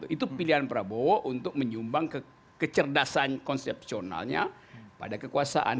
itu pilihan prabowo untuk menyumbang kecerdasan konsepsionalnya pada kekuasaan